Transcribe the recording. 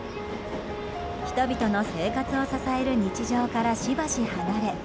人々の生活を支える日常からしばし離れ